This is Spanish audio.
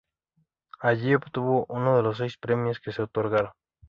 Allí obtuvo uno de los seis premios que se otorgaron.